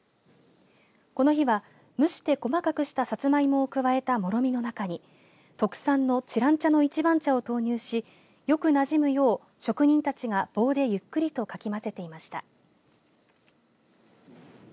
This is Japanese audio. この日は蒸して細かくしたサツマイモを加えたもろみの中に特産の知覧茶の一番茶を投入しよく馴染むよう職人たちが棒でゆっくりとかき混ぜていました。